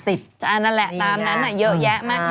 อันนั่นแหละตามนั้นแหละเยอะแยะมากไหม